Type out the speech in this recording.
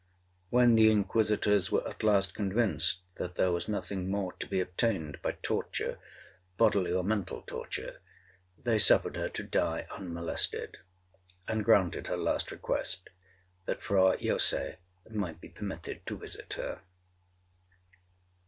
'When the inquisitors were at last convinced that there was nothing more to be obtained by torture, bodily or mental torture, they suffered her to die unmolested, and granted her last request, that Fra Jose might be permitted to visit her.